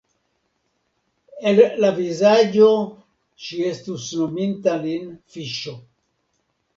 El la vizaĝo ŝi estus nominta lin fiŝo.